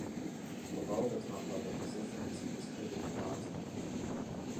Below the top-level positions, he distributed jobs as patronage.